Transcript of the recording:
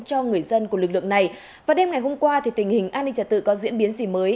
cho người dân của lực lượng này và đêm ngày hôm qua thì tình hình an ninh trật tự có diễn biến gì mới